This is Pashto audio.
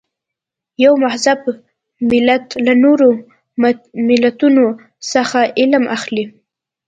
یو مهذب ملت له نورو ملتونو څخه علم اخلي.